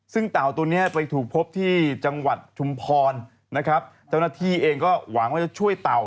ซึ่งเต่าตัวนี้ไปถูกพบที่จังหวัดชุมพรนะครับเจ้าหน้าที่เองก็หวังว่าจะช่วยเต่า